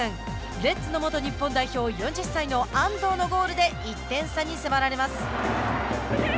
レッズの元日本代表４０歳の安藤のゴールで１点差に迫られます。